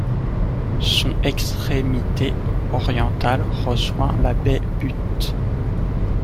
Son extrémité orientale rejoint la baie Bute.